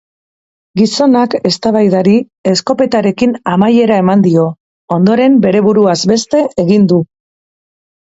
Gizonak eztabaidari eskopetarekin amaiera eman dio, ondoren bere buruaz beste egin du.